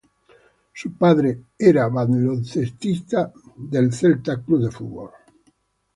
Su padre era el baloncestista Washington Poyet.